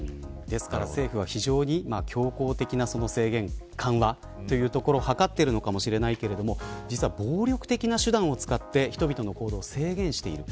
ですから、政府は非常に強行的な制限緩和というところを図っているのかもしれないけれども実は、暴力的な手段を使って人々の行動を制限している。